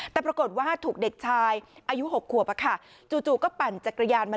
แต่ปรากฏว่าถูกเด็กชายอายุ๖ขวบจู่ก็ปั่นจักรยานมา